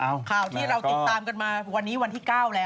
ข่าวที่เราติดตามกันมาวันนี้วันที่๙แล้ว